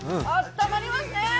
あったまりますね。